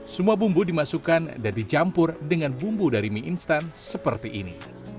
semua bumbu dimasukkan dan dicampur dengan bumbu dari mie instan seperti ini